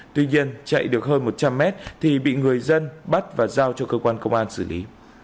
tuy nhiên chạy được hơn một trăm linh mét thì bị người dân bắt và giao cho cơ quan công an xử lý